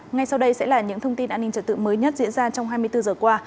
ngay sau đây sẽ là những thông tin an ninh trật tự mới nhất diễn ra trong hai mươi bốn giờ qua